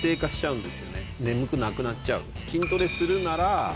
眠くなくなっちゃう。